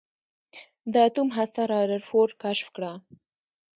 د اتوم هسته رادرفورډ کشف کړه.